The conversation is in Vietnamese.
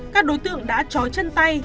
các đối tượng đã trói chân tay